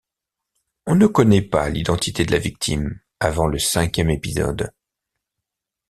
On ne connaît pas l'identité de la victime avant le cinquième épisode.